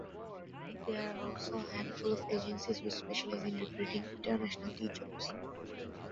There are also a handful of agencies which specialize in recruiting international teachers.